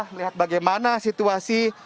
melihat bagaimana situasi